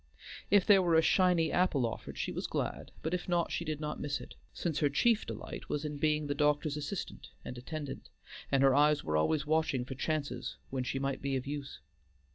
If there were a shiny apple offered she was glad, but if not, she did not miss it, since her chief delight was in being the doctor's assistant and attendant, and her eyes were always watching for chances when she might be of use.